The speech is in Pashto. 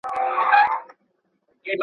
زه پرون لوبه وکړه!!